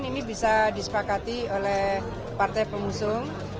kami juga disepakati oleh partai pemusung